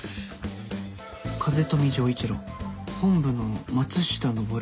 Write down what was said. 「風富城一郎」本部の「松下昇」